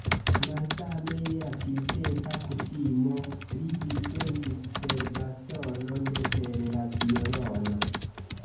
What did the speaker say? Malsame je la tiutempa kutimo, li dirigentis per bastono, ne per la violono.